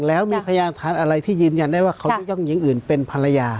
แล้วมีพยานฐานอะไรที่ยืนยันได้ว่าเขาจะต้องยิงอื่นเป็นภรรยา